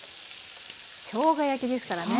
しょうが焼きですからね。